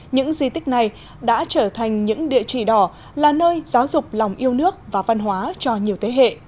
những di tích này đã trở thành những địa chỉ đỏ là nơi giáo dục lòng yêu nước và văn hóa cho nhiều thế hệ